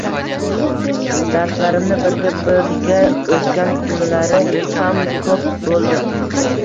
Darslarimni birga-birga oʻtgan kunlari ham koʻp boʻldi.